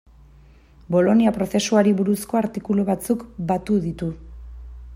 Bolonia prozesuari buruzko artikulu batzuk batu ditu.